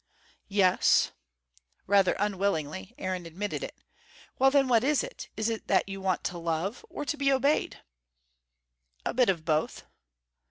"Yes " rather unwillingly Aaron admitted it. "Well then, what is it? Is it that you want to love, or to be obeyed?" "A bit of both."